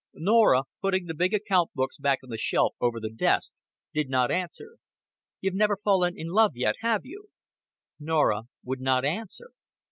Norah, putting the big account books back on the shelf over the desk, did not answer. "You've never fallen in love yet, have you?" Norah would not answer.